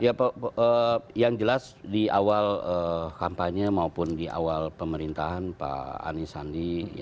ya yang jelas di awal kampanye maupun di awal pemerintahan pak anies sandi